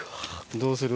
どうする？